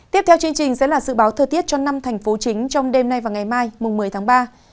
tiếp theo chương trình sẽ là dự báo thời tiết cho năm thành phố chính trong đêm nay và ngày mai một mươi tháng ba